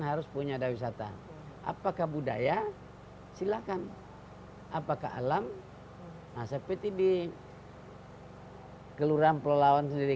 harus punya ada wisata apakah budaya silakan apakah alam aspt di hai gelurang pelawan sendiri